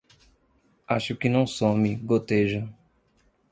Aquele que não some, goteja.